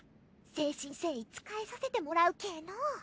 誠心誠意仕えさせてもらうけぇのう。